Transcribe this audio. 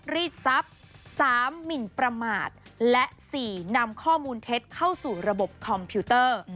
รีดทรัพย์๓หมินประมาทและ๔นำข้อมูลเท็จเข้าสู่ระบบคอมพิวเตอร์